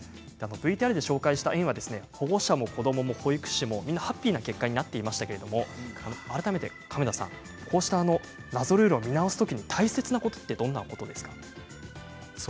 ＶＴＲで紹介した園は保護者も子どもも保育士さんもみんなハッピーな結果になっていましたけれど改めて亀田さん、こうした謎ルールを見直す時に大切なことはどんなことですか？